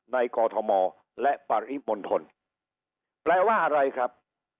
ในกทมและปฏิบันทน